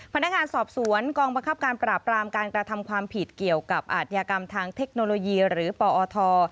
พนักงานสอบสวนกองบังคับการปราบรามการกระทำความผิดเกี่ยวกับอาทยากรรมทางเทคโนโลยีหรือปอท